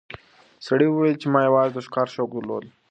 سړي وویل چې ما یوازې د ښکار شوق درلود.